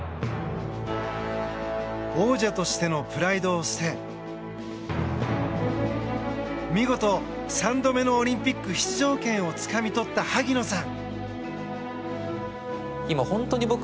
王者としてのプライドを捨て見事、３度目のオリンピック出場権をつかみ取った萩野さん。